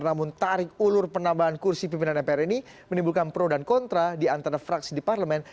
namun tarik ulur penambahan kursi pimpinan mpr ini menimbulkan pro dan kontra di antara fraksi di parlemen